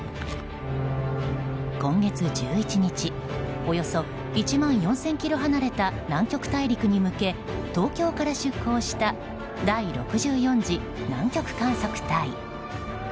今月１１日およそ１万４０００ｋｍ離れた南極大陸に向け東京から出航した第６４次南極観測隊。